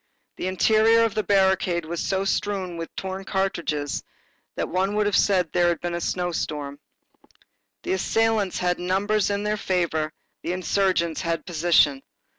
The interior of the barricade was so strewn with torn cartridges that one would have said that there had been a snowstorm. The assailants had numbers in their favor; the insurgents had position.